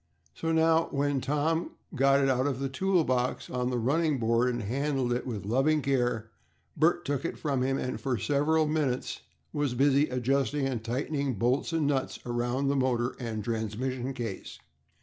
So now, when Tom got it out of the tool box on the running board and handled it with loving care, Bert took it from him, and for several minutes was busy adjusting and tightening bolts and nuts around the motor and transmission case.